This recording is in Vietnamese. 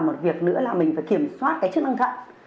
một việc nữa là mình phải kiểm soát cái chức năng thận